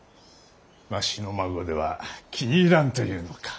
わしの孫では気に入らんというのか。